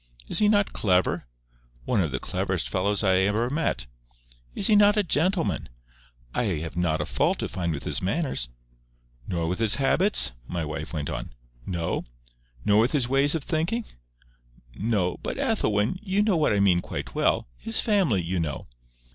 "Is he not clever?" "One of the cleverest fellows I ever met" "Is he not a gentleman?" "I have not a fault to find with his manners." "Nor with his habits?" my wife went on. "No." "Nor with his ways of thinking?" "No.—But, Ethelwyn, you know what I mean quite well. His family, you know."